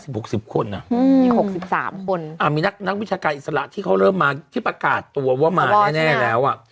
อีก๖๓คนนามีนักวิชาการอิสระที่เขาเริ่มมาที่ประกาศตัวว่ามาแน่แล้ว